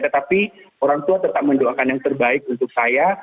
tetapi orang tua tetap mendoakan yang terbaik untuk saya